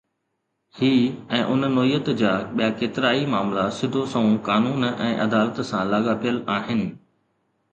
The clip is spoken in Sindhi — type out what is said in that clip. هي ۽ ان نوعيت جا ٻيا ڪيترائي معاملا سڌو سنئون قانون ۽ عدالت سان لاڳاپيل آهن